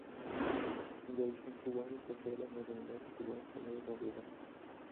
De origen cubano posee las nacionalidades cubana, española y francesa.